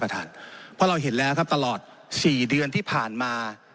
ท่านเพราะเราเห็นแล้วครับตลอด๔เดือนที่ผ่านมา